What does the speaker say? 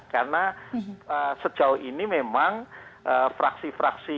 karena sejauh ini memang fraksi fraksi